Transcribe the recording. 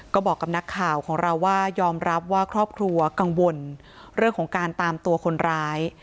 ก็บอกกับนักข่าวของเราว่ายอมรับว่าครอบครัวกังวลเรื่องของการตามตัวคนร้าย